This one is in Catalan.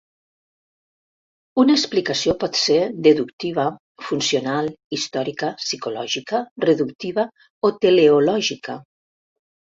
Una explicació pot ser Deductiva, Funcional, Històrica, Psicològica, Reductiva o Teleològica.